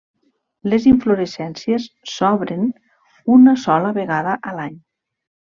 Les inflorescències s'obren una sola vegada a l'any.